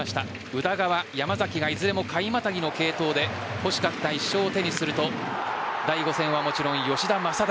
宇田川、山崎がいずれも回またぎの継投で欲しかった１勝を手にすると第５戦はもちろん吉田正尚。